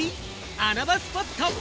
穴場スポット。